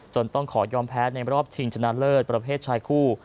ต้องขอยอมแพ้ในรอบชิงชนะเลิศประเภทชายคู่